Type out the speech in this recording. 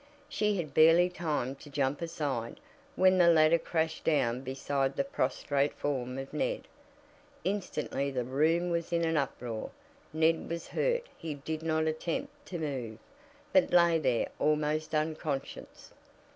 She had barely time to jump aside when the ladder crashed down beside the prostrate form of Ned. Instantly the room was in an uproar. Ned was hurt he did not attempt to move, but lay there almost unconscious.